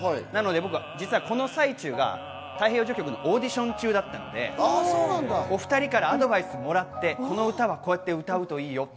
僕は実は、この最中が『太平洋序曲』のオーディション中だったのでお２人からアドバイスをもらって、この歌はこうやって歌うといいよって。